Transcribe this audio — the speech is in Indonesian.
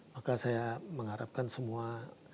maka saya mengharapkan semua